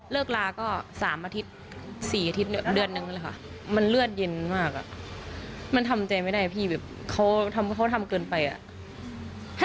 ลาก็๓อาทิตย์๔อาทิตย์เดือนนึงเลยค่ะมันเลือดเย็นมากอ่ะมันทำใจไม่ได้พี่แบบเขาทำเกินไปอ่ะ